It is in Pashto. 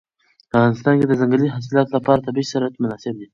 په افغانستان کې د ځنګلي حاصلاتو لپاره طبیعي شرایط مناسب دي.